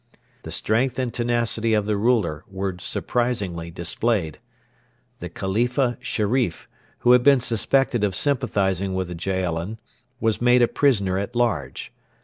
The strength and tenacity of the ruler were surprisingly displayed. The Khalifa Sherif, who had been suspected of sympathising with the Jaalin, was made a prisoner at large.